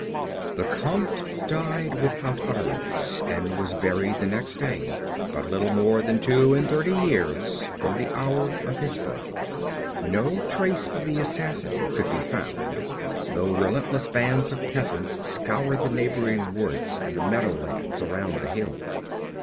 The Comte died without utterance, and was buried the next day, but little more than two and thirty years from the hour of his birth. No trace of the assassin could be found, though relentless bands of peasants scoured the neighboring woods and the meadow land around the hill.